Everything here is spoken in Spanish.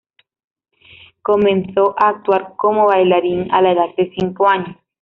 Comenzó a actuar como bailarín a la edad de cinco años.